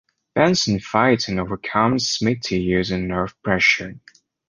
Benson fights and overcomes Smitty using nerve pressure.